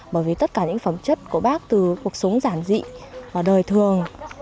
bởi vì tất cả những phẩm chất của bác từ cuộc sống giản dị và đời thường